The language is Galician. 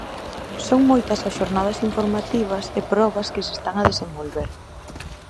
Son moitas as xornadas informativas e probas que se están a desenvolver.